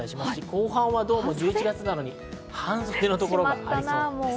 後半は１１月なのに、半袖のところもありそうです。